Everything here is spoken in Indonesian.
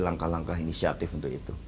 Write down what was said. langkah langkah inisiatif untuk itu